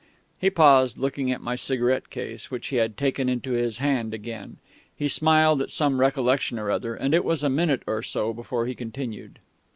He paused, looking at my cigarette case, which he had taken into his hand again. He smiled at some recollection or other, and it was a minute or so before he continued.